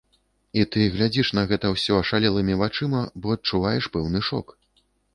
І ты глядзіш на гэта ўсё ашалелымі вачыма, бо адчуваеш пэўны шок.